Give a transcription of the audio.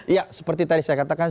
ya seperti tadi saya katakan